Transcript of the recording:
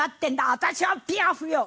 私はピアフよ！